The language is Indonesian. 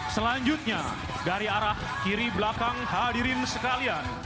selanjutnya dari arah kiri belakang hadirin sekalian